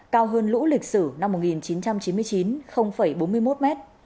cao hơn lũ lịch sử năm một nghìn chín trăm chín mươi chín bốn mươi một m